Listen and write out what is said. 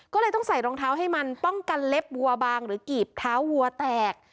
ก็เลยต้องใส่รองเท้าให้มันป้องกันเล็บวัวบางหรือกีบเท้าวัวแตก